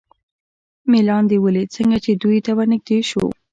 مې لاندې ولید، څنګه چې دوی ته ور نږدې شو.